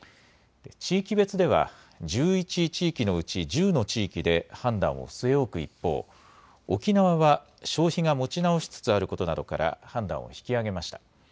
地域別では１１地域のうち１０の地域で判断を据え置く一方、沖縄は消費が持ち直しつつあることなどから判断を引き上げました。